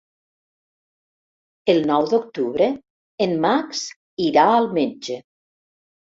El nou d'octubre en Max irà al metge.